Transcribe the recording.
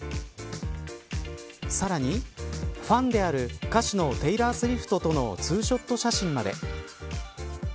さらにファンである歌手のテイラー・スウィフトとのツーショット写真まで。